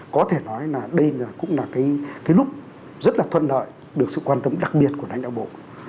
có thể nói là đây cũng là cái lúc rất là thuận lợi được sự quan tâm đặc biệt của đánh đạo bộ